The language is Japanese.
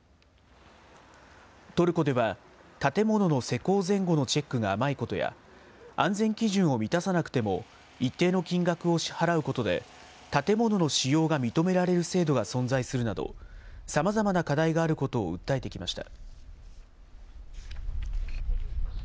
トルコでは、建物の施工前後のチェックが甘いことや、安全基準を満たさなくても一定の金額を支払うことで、建物の使用が認められる制度が存在するなど、さまざまな課題があることを訴えてきました。